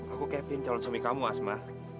aku kevin calon suami kamu asma